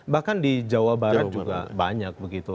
bahkan di jawa barat juga banyak begitu